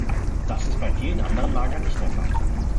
Das ist bei vielen anderen Lagern nicht der Fall.